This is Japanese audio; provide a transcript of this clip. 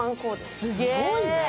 すごいね。